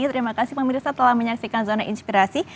terima kasih pemirsa telah menyaksikan zona inspirasi